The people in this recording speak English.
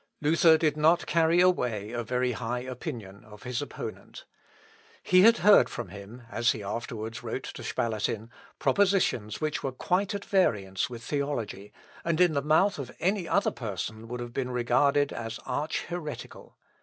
Luther did not carry away a very high opinion of his opponent. He had heard from him, as he afterwards wrote to Spalatin, propositions which were quite at variance with theology, and in the mouth of any other person would have been regarded as arch heretical.